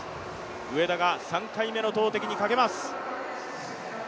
上田が３回目の投てきにかけます。